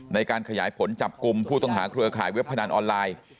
ในการขยายผลจับกลุ่มผู้ต้องหาเครือข่ายเว็บพนันออนไลน์